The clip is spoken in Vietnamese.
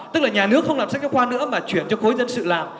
tức là nhà nước không làm sách giáo khoa nữa mà chuyển cho khối dân sự làm